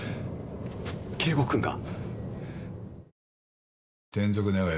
圭吾君が。